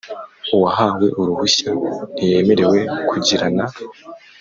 Uwahawe uruhushya ntiyemerewe kugirana